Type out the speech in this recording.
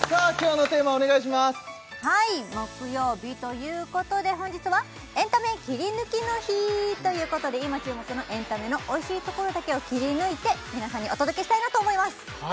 はい木曜日ということで本日はエンタメキリヌキの日ということで今注目のエンタメのおいしいところだけを切り抜いて皆さんにお届けしたいなと思います